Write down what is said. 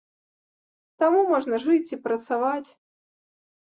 Таму можна жыць і працаваць.